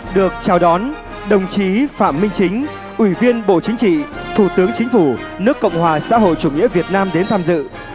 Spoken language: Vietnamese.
được chào đón đồng chí phạm minh chính ủy viên bộ chính trị thủ tướng chính phủ nước cộng hòa xã hội chủ nghĩa việt nam đến tham dự